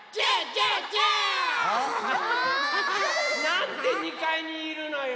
なんで２かいにいるのよ。